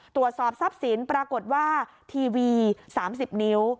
ตรวจสอบทรัพย์สินปรากฏว่าทีวี๓๐นิ้ว